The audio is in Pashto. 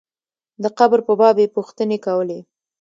د قبر په باب یې پوښتنې کولې.